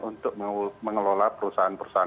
untuk mengelola perusahaan perusahaan